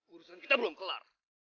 urusan kita belum kelar